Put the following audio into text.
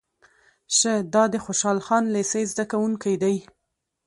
شه دا د خوشحال خان لېسې زده کوونکی دی.